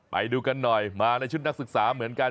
ไปดูกันหน่อยมาในชุดนักศึกษาเหมือนกัน